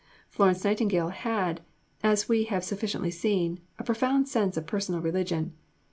Florence Nightingale had, as we have sufficiently seen, a profound sense of personal religion.